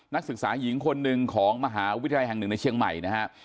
นักศึกษาหญิงคนหนึ่งของมหาวิทยาลัยแห่งหนึ่งในเชียงใหม่นะฮะ